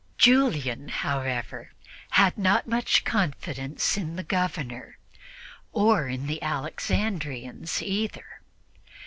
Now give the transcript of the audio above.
Julian, however, had not much confidence in the Governor, or in the Alexandrians either.